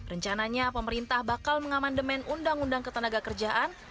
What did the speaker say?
rencananya pemerintah bakal mengamandemen undang undang ketenagakerjaan